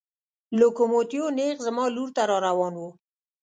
لوکوموتیو نېغ زما لور ته را روان و.